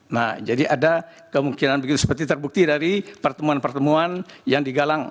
nah jadi ada kemungkinan begitu seperti terbukti dari pertemuan pertemuan yang digalang